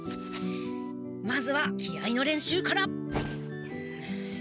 まずは気合いの練習から。